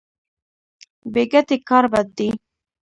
بې ګټې کار بد دی.